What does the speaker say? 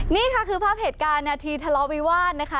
นี่ค่ะคือภาพเหตุการณ์นาทีทะเลาะวิวาสนะคะ